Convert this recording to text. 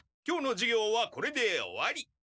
今日の授業はこれで終わり。